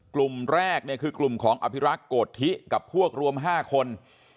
กลุ่มแรกเนี่ยคือกลุ่มของอภิรักษ์โกธิกับพวกรวม๕คน